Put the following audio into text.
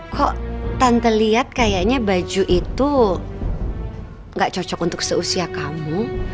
kok tanpa lihat kayaknya baju itu gak cocok untuk seusia kamu